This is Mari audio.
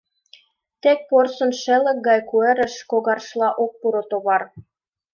Тек порсын шелык гай куэрыш Когаршла ок пуро товар.